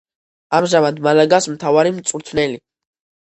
ამჟამად მალაგას მთავარი მწვრთნელი.